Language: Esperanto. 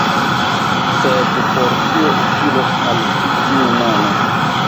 Sed por kio utilos al ci tiu mono?